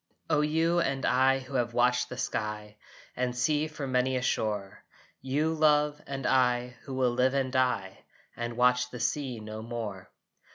O you and I who have watched the sky And sea from many a shore! You, love, and I who will live and die And watch the sea no more!